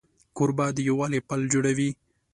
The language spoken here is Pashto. کوربه د یووالي پل جوړوي.